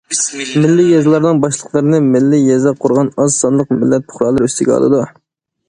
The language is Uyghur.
مىللىي يېزىلارنىڭ باشلىقلىرىنى مىللىي يېزا قۇرغان ئاز سانلىق مىللەت پۇقرالىرى ئۈستىگە ئالىدۇ.